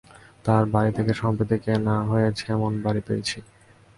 তার বাড়ি থেকে সম্প্রতি কেনা হয়েছে এমন বড়ি পেয়েছি।